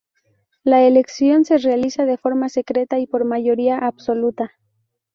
La elección se realiza de forma secreta y por mayoría absoluta.